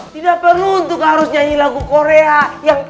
tidak perlu untuk harus nyanyi lagu korea